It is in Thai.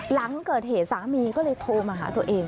หลังเกิดเหตุสามีก็เลยโทรมาหาตัวเอง